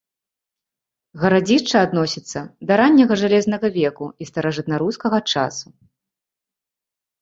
Гарадзішча адносіцца да ранняга жалезнага веку і старажытнарускага часу.